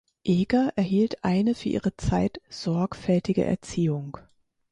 Eger erhielt eine für ihre Zeit sorgfältige Erziehung.